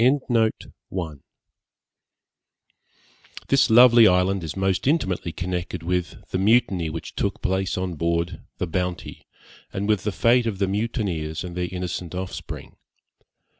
This lovely island is most intimately connected with the mutiny which took place on board the Bounty, and with the fate of the mutineers and their innocent offspring.